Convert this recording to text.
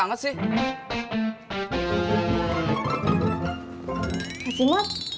enggak enggak enggak maksa banget sih